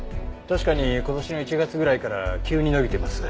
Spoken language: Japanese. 確かに今年の１月ぐらいから急に伸びています。